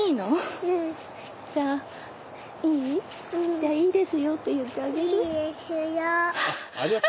じゃあいいですよって言ってあげて。